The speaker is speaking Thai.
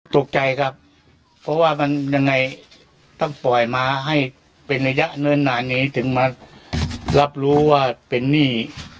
ตกใจครับเพราะว่ามันยังไงต้องปล่อยมาให้เป็นระยะเนิ่นนานนี้ถึงมารับรู้ว่าเป็นหนี้